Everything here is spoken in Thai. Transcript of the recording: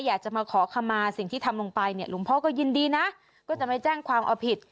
อยากจะมาขอคำมาสิ่งที่ทำลงไปเนี่ยหลวงพ่อก็ยินดีนะก็จะไม่แจ้งความเอาผิด